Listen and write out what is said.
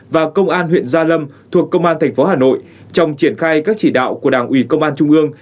và công an huyện gia lâm thuộc công an tp hà nội trong triển khai các chỉ đạo của đảng ủy công an trung ương